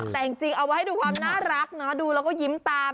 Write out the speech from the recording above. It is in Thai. แต่จริงเอาไว้ให้ดูความน่ารักนะดูแล้วก็ยิ้มตาม